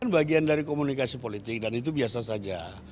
ini bagian dari komunikasi politik dan itu biasa saja